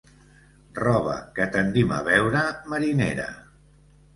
Roba que tendim a veure marinera.